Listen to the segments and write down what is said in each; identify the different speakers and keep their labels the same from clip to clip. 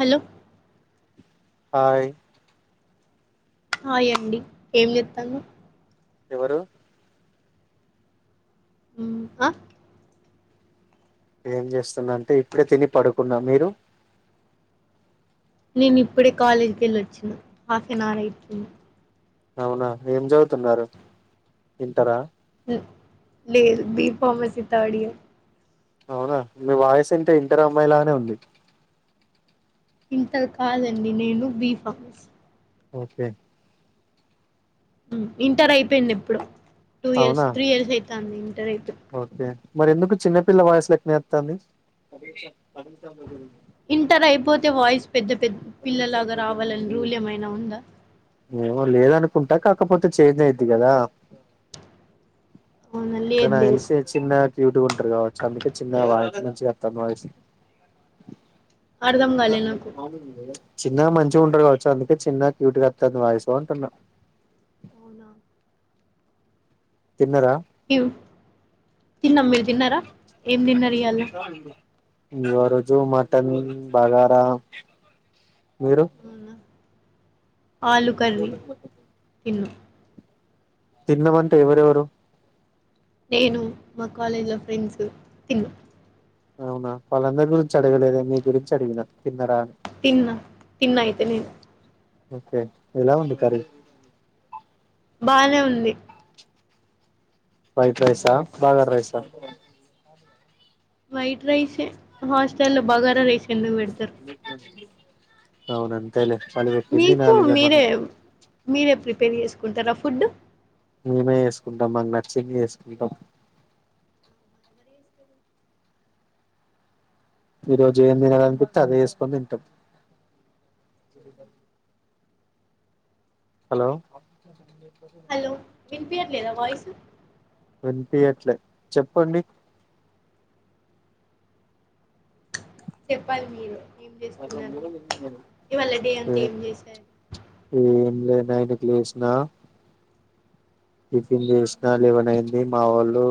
Speaker 1: Hello
Speaker 2: hi
Speaker 1: hi అండి ఏం చేస్తాళ్లు
Speaker 2: ఎవరు
Speaker 1: హు ఆ
Speaker 2: ఏం చేస్తున్నాంటే ఇప్పుడే తిని పడుకున్న మీరు
Speaker 1: నేనిప్పుడే కాలేజ్కిళ్ళి ఒచ్చినా హాఫ్ఆన్అవర్ అయితుంది
Speaker 2: అవునా ఏం చదువుతున్నారు ఇంటరా
Speaker 1: ల్ లేదు బి ఫార్మసీ థర్డ్ ఇయర్
Speaker 2: అవునా మీ వాయిస్ అయితే ఇంటరమ్మాయిలానే ఉంది
Speaker 1: ఇంటర్ కాదండి నేను బి ఫార్మసీ
Speaker 2: ఓకే
Speaker 1: హు ఇంటర్ అయిపోయింది ఎప్పుడో టూ ఇయర్స్
Speaker 2: అవునా
Speaker 1: త్రీ ఇయర్స్ అయితుంది ఇంటర్ అయిపోయి
Speaker 2: ఓకే మరెందుకు చిన్నపిల్ల వాయిస్లెక్కనేత్తాంది
Speaker 1: ఇంటరైపోతే వాయిస్ పెద్ద పెద్ పిల్లలాగా రావాలని రూలేమయిన ఉందా
Speaker 2: ఏమో లేదనుకుంటా కాకపోతే చేంజ్ అయిద్ది కదా
Speaker 1: అవునా
Speaker 2: అంటే
Speaker 1: లేదు
Speaker 2: నాకు
Speaker 1: లేదు
Speaker 2: తెలిసి చిన్నగా క్యూటిగా ఉంటారు కావచ్చు అందుకే చిన్న వాయి మంచిగ వస్తుంది వాయిస్
Speaker 1: అర్థం కాలే నాకు
Speaker 2: [unintelligible] చిన్నగా మంచిగుంటది కావచ్చు అందుకే చిన్న క్యూటంగొత్తంది వాయిసు అంటున్నా
Speaker 1: అవునా
Speaker 2: తిన్నారా
Speaker 1: ట్యు తిన్నాం మీరు తిన్నారా ఏం తిన్నారు ఇయ్యాల
Speaker 2: చాలు ఇంగా ఇంగ ఆ రోజు మటన్ బగారా మీరు
Speaker 1: అవునా ఆలూ కర్రీ తిన్నా
Speaker 2: తిన్నం అంటే ఎవరెవరు
Speaker 1: నేను మా కాలేజ్ లో ఫ్రెండ్సు తిన్ను
Speaker 2: అవునా వాళ్ళందరి గురించి అడగలేదే మీ గురించి అడిగినా తిన్నారా అని
Speaker 1: తిన్నా తిన్నా అయితే నేను
Speaker 2: ఓకే ఎలా ఉంది కర్రీ
Speaker 1: బానే ఉంది
Speaker 2: వైట్ రైస్ ఆ బగార్ రైస్ ఆ
Speaker 1: వైట్ రైసే హాస్టల్లో బగారా రైస్ ఎందుకు బెడతారు
Speaker 2: అవును అంతేలే వాళ్ళు పెట్టింది
Speaker 1: మీకు
Speaker 2: తినాలి ఇగ
Speaker 1: మీరే
Speaker 2: మనం
Speaker 1: మీరే ప్రిపేర్ చేసుకుంటారా ఫుడ్డు
Speaker 2: మేమే ఏసుకుంటాం మాకు నచ్చింది చేసుకుంటాం
Speaker 1: బ్లాంక్
Speaker 2: ఈ రోజు ఏం తినాలనిపిత్తే అదే చేస్కొని తింటాం హలో
Speaker 1: హలో విన్పియట్లేదా వాయిస్
Speaker 2: విన్పియ్యట్లే చెప్పండి
Speaker 1: చెప్పాలి మీరే ఏం చేస్తున్నారు ఇవాళ డే
Speaker 2: ఏ
Speaker 1: అంతా ఏం చేశారు
Speaker 2: ఏం లేదు ఐదుకు లేషినా టిఫిన్ చేసినా లెవెన్ అయ్యింది మా వోళ్ళు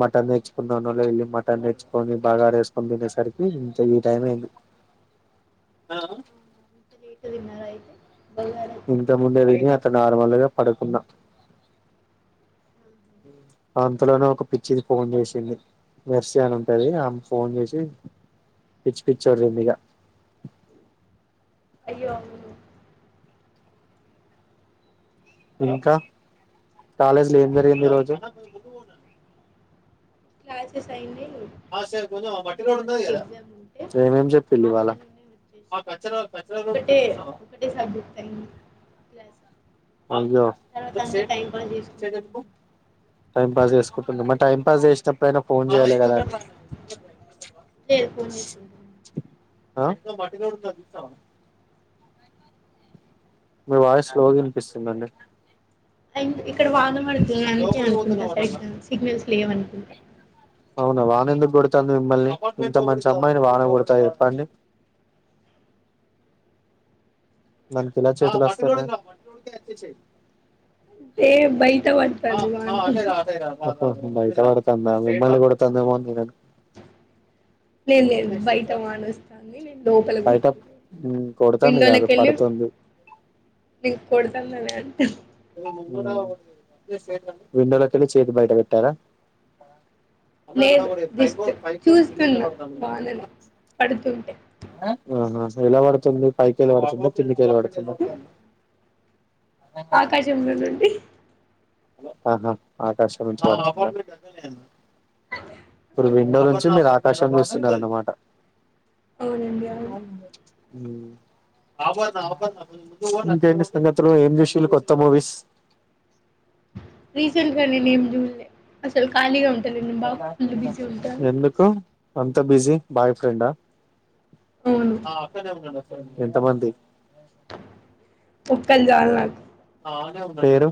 Speaker 2: మటన్ తెచ్చుకుందానని వెళ్ళి మటన్ తెచ్చుకొని బాగారేసుకొని తినేసరికి ఇంత ఈ టైం అయ్యింది
Speaker 1: [inaudible]
Speaker 2: [unintelligible]
Speaker 1: కేకు తిన్నారు అయితే [inaudible]
Speaker 2: ఇంతకు ముందే విని అట్లా నార్మల్ గా పడుకున్నా
Speaker 1: [inaudible]
Speaker 2: ఆంతలోనే ఒక పిచ్చిది ఫోన్ చేషింది మెర్సి ఆని ఉంటది ఆమె ఫోన్ జేషి పిచ్చి పిచ్చిగా ఒర్రిందిగా
Speaker 1: అయ్యో అండి
Speaker 2: ఇంకా కాలేజీలో ఏం జరిగింది ఈ రోజు
Speaker 1: క్లాసెస్ అయ్యింది ఉంటే
Speaker 2: ఏమేం చెప్పిండు ఇవాళ
Speaker 1: ఆఫ్టర్నూనే
Speaker 2: కచరా కచరా రోడ్ ఉన్నది చూసావా
Speaker 1: వడ్డే సాబ్ [inaudible]
Speaker 2: అయ్యో
Speaker 1: చేసుకుంటున్నాను
Speaker 2: టైం పాస్ చేసుకుంటున్నా మరి టైం పాస్ చేసిటప్పుడు అయినా ఫోన్ చెయ్యాలి కదా
Speaker 1: టే ఫోన్ చేసు
Speaker 2: ఆ మీ వాయిస్ స్లో విన్పిస్తుందండి
Speaker 1: అండ్ ఇక్కడ వాన పడుతుంది అందుకే అనుకుంటా సరిగ్గా సిగ్నల్స్ లేవ్ అనుకుంటా
Speaker 2: అవునా వాన ఎందుకు కొడుతాంది మిమ్మల్ని ఇంత మంచి అమ్మాయిని వాన కొడతాదా చెప్పండి దానికి ఏలా చేతులు వస్తయి
Speaker 1: ఏ బయట పడు
Speaker 2: [unintelligible] బయట పడతాంద మీమ్మల్ని కొడుతంది ఏమో నేను అనుకున్న
Speaker 1: లేద్ లేదు బయట వానొస్తాంది నేను లోపల
Speaker 2: బయట
Speaker 1: కూర్చున్న
Speaker 2: ఉమ్ కొడుతుంది
Speaker 1: విండోలో
Speaker 2: కాదు
Speaker 1: కెళ్ళి
Speaker 2: పడుతుంది
Speaker 1: నేను కొడతన్నానే అంట
Speaker 2: ఊమ్ విండోలోకెళ్ళి చేతి బయట పెట్టారా అన్నా
Speaker 1: లేదు
Speaker 2: అక్కడ
Speaker 1: జస్ట్
Speaker 2: ఫైర్ైర్ ఎ
Speaker 1: చూస్తున్నా
Speaker 2: [inaudible]
Speaker 1: వానని పడుతుంటే
Speaker 2: ఆహా ఎలా పడుతుంది పైకేల్లి పడుతుంద కిందికెళ్లి పడుతుందా
Speaker 1: ఆకాశంలొ నుండి
Speaker 2: ఆహా ఆకాశం నుంచి పడుతుందా ఇప్పుడు విండో నుంచి మీరూ ఆకాశం చూస్తున్నారన్నమాట [inaudible] ఉమ్ ఇంకేంటి సంగతులు ఏం చూషిల్లు కొత్త మూవీస్
Speaker 1: రీసెంట్ గా నేను ఏం జూల్లె అసలు ఖాళీగా ఉంట లేను నేను బాగా ఫుల్ బిజీ ఉంటాను
Speaker 2: కా అంత బిజీ బాయ్ ఫ్రెండా
Speaker 1: అవును
Speaker 2: ఎంతమంది
Speaker 1: ఒక్కళ్ చాలు నాకు
Speaker 2: పేరు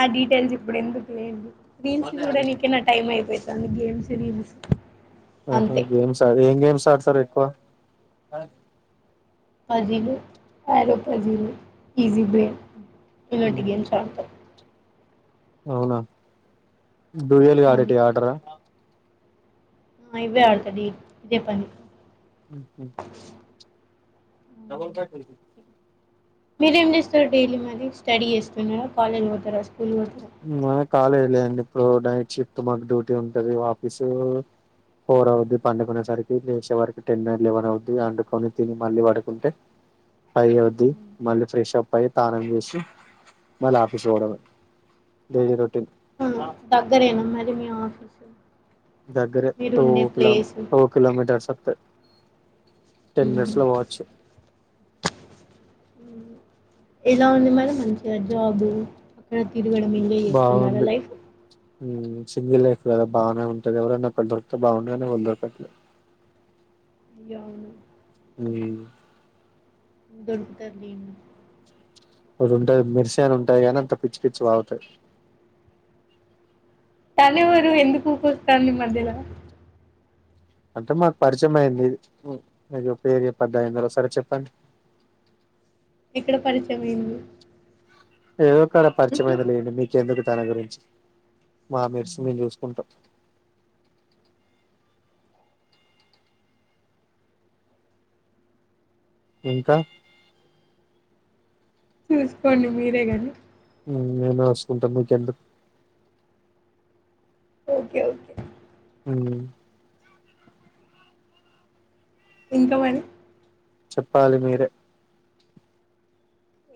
Speaker 1: ఆ డీటెయిల్స్ ఇప్పుడు ఎందుకు లెండి రీల్స్ చూడానికే నా టైం అయిపోతుంది గేమ్స్ రీల్స్
Speaker 2: ఆహా
Speaker 1: అంతే
Speaker 2: గేమ్స్ ఆ ఏం గేమ్స్ ఆడతారు ఎక్కువ
Speaker 1: పజీలు ఆరో పజీలు ఈజీ బేన్ ఇలాంటి గేమ్స్ ఆడుతాం
Speaker 2: అవునా డూయల్
Speaker 1: ఆ,
Speaker 2: ఆడేటివి ఆడారా
Speaker 1: ఉ ఇవే ఆడుతది ఇదే పని
Speaker 2: ఉహు డబల్ కాట్ మిల్కీ
Speaker 1: మీరేం చేస్తారు డైలీ మరి స్టడీ చేస్తున్నారా కాలేజ్ పోతారా స్కూల్ పోతా
Speaker 2: మా కాలేజ్లే అండి ఇప్పుడు నైట్ షిఫ్ట్ మాకు డ్యూటీ ఉంటది ఆఫీసు ఫోర్ అవుద్ది పండుకునేసరికి లేేచే వరకి టెన్ ఎ లెవెన్ అవుద్ది వండుకొని తిని మళ్ళీ పడుకుంటే పైవ్ అయిద్ధి మళ్ళీ ఫ్రెష్ అప్ అయ్యి తానం చేసి మళ్ళీ ఆఫీస్ పోవడమే డైలీ రొటీన్ ఆ
Speaker 1: దగ్గరేనా మరి మీ ఆఫస్
Speaker 2: దగ్గరే టూ కిలోమ్
Speaker 1: ప్లేస్
Speaker 2: టూ కిలోమీటర్స్ వత్తయ్ టెన్ మనీట్స్ లో పోవచ్చు
Speaker 1: ఉ ఏలా ఉంది మరి మంచిగా జాబ్ ఇక్కడ తిరగడం ఎంజాయ్ చేస్తున్నారా లైఫ్
Speaker 2: ఉమ్ సింగిల్ లైఫ్ కదా బానే ఉంటది ఎవరన్న ఒకరు దొరికతే బాగుండు కానీ ఎవరు దొరకట్లే
Speaker 1: యా అవును
Speaker 2: ఉ
Speaker 1: దొరుకుతారు లేండి
Speaker 2: అది ఉంటాది మిర్సి అని ఉంటాది కాని అంత పిచ్చి పిచ్చి వాగుతది
Speaker 1: తను ఏవరు ఎందుకు ఊకో వస్తంది మధ్యలో
Speaker 2: అంటే మాకు పరిచయం అయింది మీ పేరు చేపద్దా సరే చెప్పన్
Speaker 1: ఎక్కడ పరిచయం అయింది
Speaker 2: ఏదో కాడ పరిచయమైంది లేండి మీకెందుకు తన గురించి మా మెర్స్ మేం జూస్కుంటాం ఇంకా
Speaker 1: చూస్కోండి మీరే గాని
Speaker 2: ఊఁ నేనూ వస్కుంటం మీకెందుక్
Speaker 1: ఓకే ఓకే
Speaker 2: ఉమ్
Speaker 1: ఇంక వన్
Speaker 2: చెప్పాలి మీరే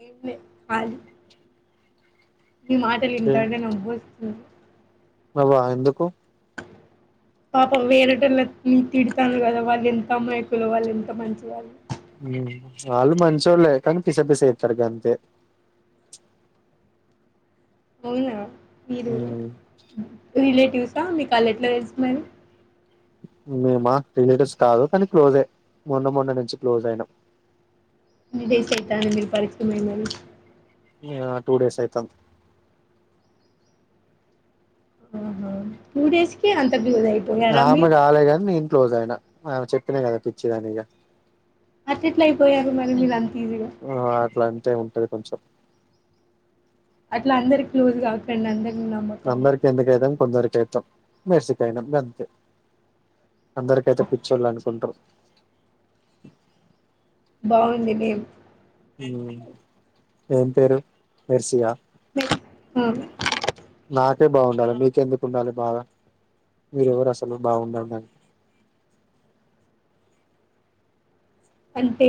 Speaker 1: ఏం లే ఖాలీ మీ మాటలింటాంటె నవ్వొస్తుంది
Speaker 2: నవ్వా ఎందుకు
Speaker 1: పాపం వేరేటోళ్ళక్ నేన్ తిడతాన్ గద వాళ్లెంత అమాయకులో వాళ్లెంత మంచి వాళ్లో
Speaker 2: ఉమ్ వాళ్ళు మంచోళ్లే కానీ పిసపిస చెప్తారు గంతే
Speaker 1: అవునా మీరు రిలేటివ్సా మీక్ అళ్లు ఎట్ల తెలుసు మరీ
Speaker 2: మేమా రిలేటివ్స్ కాదు కానీ క్లోజే మొన్న మొన్న నుంచి క్లోజ్ అయినాం
Speaker 1: ఎన్ని డేస్ అయితాంది మీర్ పరిచయం మరీ
Speaker 2: ఆ టూ డేస్ అయితాంద్
Speaker 1: ఆ హా టూ డేస్ కే అంత బ్యూజ్ అయి
Speaker 2: ఆమె గాలె గాన్ నేన్ క్లోజ్ ఐనా ఆమె చెప్పిన గద పిచ్చిదని ఇగ
Speaker 1: అట్లెట్లైపోయారు మరి మీలంతీజీగా
Speaker 2: ఊ ఆ అట్ల అంటే ఉంటది కొంచెం
Speaker 1: అట్ల అందర్క్ క్లోజ్ గాకండ్ అందర్నీ నమ్మ
Speaker 2: అందర్కి ఎందుక్ ఐతాం కొందరి కైతాం మెర్సికైనం గంతే అందరికైతే పిచ్చోళ్ళనుకుంటరు
Speaker 1: బావుంది నేమ్
Speaker 2: ఉమ్ ఏం పేరు మెర్సిఆ
Speaker 1: మే హా
Speaker 2: నాకే బావుండాలి మీకెందుకుండాలి బాగా మీరెవరు అసలు బావుందన్డానికి
Speaker 1: అంటే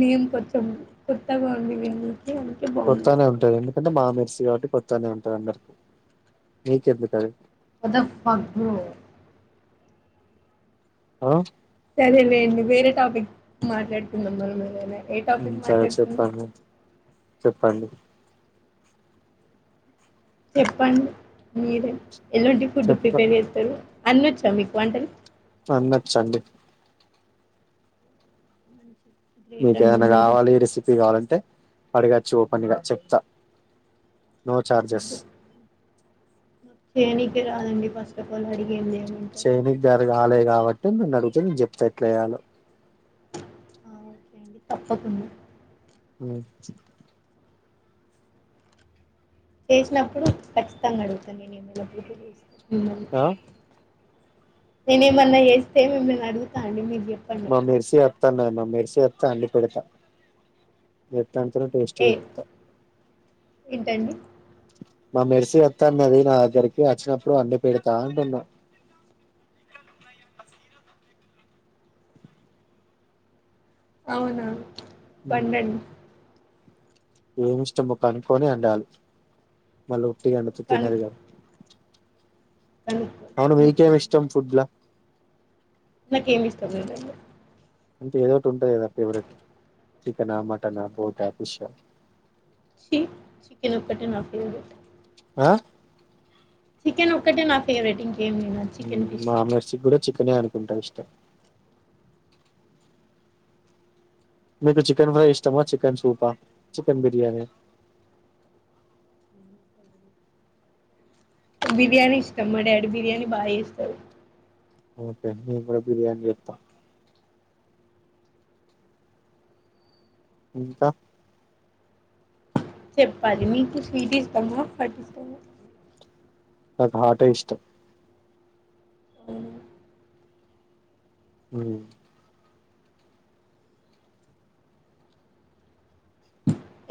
Speaker 1: నేమ్ కొచ్చం కొత్తగా ఉంది విన్నీకీ అని
Speaker 2: కొత్తానే ఉంటది ఎందుకంటే మామెర్సి గావట్టి కొత్తానే ఉంటాది అందర్కి నీకెందుకది
Speaker 1: పొద్దప్ పగ్లూ
Speaker 2: వో
Speaker 1: సరేలేండి వేరే టాపిక్ మాట్లాడుతుందం మనం ఇవాళ
Speaker 2: ఊఁ సరే చెప్పండి చెప్పండి
Speaker 1: చెప్పండి మీరే ఎలాంటి ఫుడ్
Speaker 2: చెప్ప
Speaker 1: ప్రిపేర్ జేస్తరు అన్నొచ్చా మీక్ వంటలు
Speaker 2: అన్నొచ్చండి
Speaker 1: అంచి
Speaker 2: మీకేదన్న గావాలీ రెసిపీ గావాలంటే అడగచ్చు ఓపెన్గా చెప్తా నో చార్జెస్
Speaker 1: చేయనీకే రాదండి ఫస్టఫల్ అడిగేంది ఏముంది
Speaker 2: జర్ గాలే గావట్టే నన్నడుగితే నేన్ జెప్త ఎట్లేయాలో
Speaker 1: ఓకే అండి తప్పకుండా
Speaker 2: ఉమ్ ప్చ్
Speaker 1: చేషినప్పుడు ఖచ్చితంగ అడుగుతా నేనేమైన ఫుడ్డు చూసిన మిమ్మల్ని
Speaker 2: ఆ
Speaker 1: నేను ఏమన్నా చేస్తే మిమ్మల్ని అడుగుతాండి మీకు చెప్
Speaker 2: మా మెర్సీ అత్త నేను మా మెర్సీ అత్త అన్ని పెడతా ఎట్ట అంటారో టేస్ట్
Speaker 1: ఏ
Speaker 2: చూపిస్తా
Speaker 1: ఏంటండి
Speaker 2: మా మెర్సీ అత్త అన్నది నా దగ్గరికి వచ్చినప్పుడు అన్ని పెడతా అంటున్నా
Speaker 1: అవునా
Speaker 2: ఉమ్
Speaker 1: పండండి
Speaker 2: ఏమి ఇష్టమో కనుకొని అండాలి మళ్ళీ ఉట్టిగా నన్ను తిట్టినారు గా
Speaker 1: కానీ
Speaker 2: అవును మీకేం ఇష్టం ఫుడ్ లా
Speaker 1: నాకు ఏమి ఇష్టం లేదండి
Speaker 2: అంటే ఏదో ఒకటి ఉంటాది కదా ఫేవరెట్ చికెనా మటనా బొటా ఫిష్ ఆ
Speaker 1: చి చికెన్ ఒక్కటే నా ఫేవరెట్
Speaker 2: ఆ
Speaker 1: చికెన్ ఒక్కటె నా ఫేవరెట్ ఇంకేమి తినను
Speaker 2: మా మెర్సీ కూడా చికెనే అనుకుంటా ఇష్టం మీకు చికెన్ ఫ్రై ఇష్టమా చికెన్ సూపా చికెన్ బిర్యానీ
Speaker 1: బిర్యానీ ఇష్టం మా డాడీ బిర్యానీ బా చెస్తారు
Speaker 2: ఓకే అండి నేను కూడా బిర్యాని చేత్త ఇంకా
Speaker 1: చెప్పాలి మీకు స్వీట్ ఇష్టమా హాట్ ఇష్టమా
Speaker 2: నాక హాట్ ఎ ఇష్టం
Speaker 1: అవును
Speaker 2: ఉమ్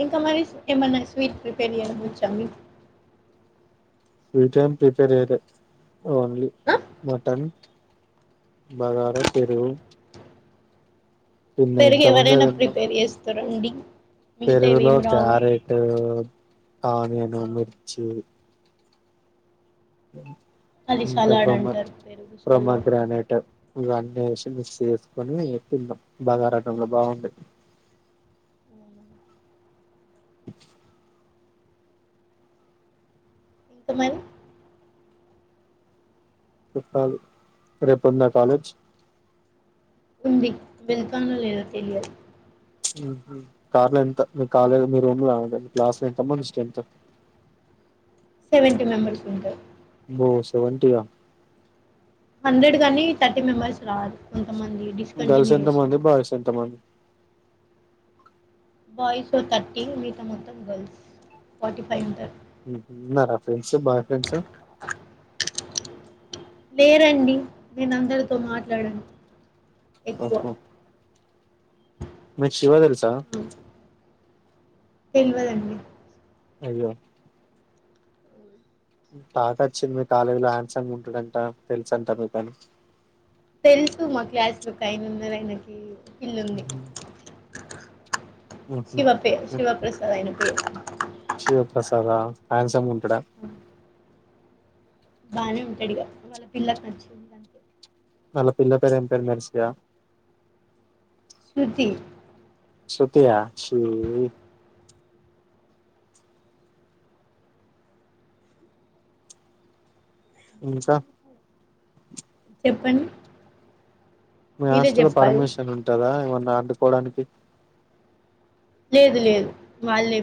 Speaker 1: ఇంకా మరి ఏమైన్నా స్వీట్ ప్రిపేర్ చెయ్యడం వచ్చా మీకు
Speaker 2: స్వీట్ ఏమ్ ప్రిపేర్ చేయలే ఓన్లీ
Speaker 1: ఆ?
Speaker 2: మటన్ బగార పెరుగు తిన్న
Speaker 1: పెరుగు
Speaker 2: ఇంతముందే
Speaker 1: ఎవరైనా
Speaker 2: తిన్నాం
Speaker 1: ప్రిపేర్ చేస్తారండి మిగతావి
Speaker 2: పెరుగులో
Speaker 1: ఏం రావా
Speaker 2: క్యారెట్ ఆనియన్ మిర్చి
Speaker 1: అది
Speaker 2: ఇంకా
Speaker 1: సలాడ్
Speaker 2: ప్రోమ
Speaker 1: అంటారు పెరుగు సలాడ్
Speaker 2: ప్రోమోగ్రెనేట్ ఇగ అన్ని వేసి మిక్స్ చేసుకొని తిన్నాం బగారా అన్నంలో‌‌ బాగుండది
Speaker 1: తమరు
Speaker 2: పెట్టాలి రేపుందా కాలేజ్
Speaker 1: ఉంది వెళ్తానో లేదో తెలియదు
Speaker 2: ఊహు కార్లో ఎంత మీ కాలేజ్ రూమ్ లో క్లాస్ లో ఎంత మంది స్టెంత్
Speaker 1: సెవెంటీ మెంబెర్స్ ఉంటారు
Speaker 2: అబ్బో సెవెంటీ ఆ
Speaker 1: హండ్రెడ్ గానీ థర్టీ మెంబర్స్ రారు కొంతమంది
Speaker 2: గర్ల్స్
Speaker 1: డిస్కంటిన్యూ
Speaker 2: ఎంత మంది
Speaker 1: చేసిండ్రు
Speaker 2: బాయ్స్ ఎంతమంది
Speaker 1: బాయ్స్ థర్టీ మిగతా మొత్తం గర్ల్స్ ఫార్టీ ఫైవ్ ఉంటారు
Speaker 2: ఉహు ఉన్నారా ఫ్రెండ్స్ బాయ ఫ్రెండ్స్
Speaker 1: లేరండి నేను అందరితో మాట్లాడను ఎక్కువ
Speaker 2: ఓహో మీకు శివ తెల్సా
Speaker 1: పొ తెల్వదండి
Speaker 2: అయ్యో టాక్ వచ్చింది మీ కాలేజీలో హ్యాండ్సంగ్ ఉంటదంట తెలుస అంటా మీ కాని
Speaker 1: తెలుసు మా క్లాస్ ఒక ఆయన ఉన్నారు ఆయనకి పిల్ల ఉంది శివ పే శివప్రసాద్ అయన పేరు
Speaker 2: శివప్రసాద హాన్డసమ్ గా ఉంటాడ
Speaker 1: బానే ఉంటాడు ఇగ వాళ్ళ పిల్లక్ నచ్చింది అంతే
Speaker 2: వాల్ల పిల్ల పేరు ఏం పేరు మర్చిపోయా
Speaker 1: శృతి
Speaker 2: శృతియా ఛీ ఇంచ
Speaker 1: చెప్పండి
Speaker 2: మీ
Speaker 1: మీరే
Speaker 2: హాస్టల్లో
Speaker 1: చెప్పాలి
Speaker 2: పర్మిషన్ ఉంటదా ఏమన్న వండుకోవడానికి
Speaker 1: లేదు లేదు వాళ్ళే